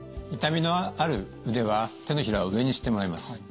痛みのある腕は手のひらを上にしてもらいます。